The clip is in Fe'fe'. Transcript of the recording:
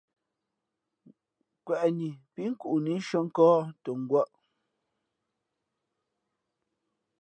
Kweꞌni pí nkuʼnǐ shʉᾱ nkᾱᾱ tα ngwᾱʼ.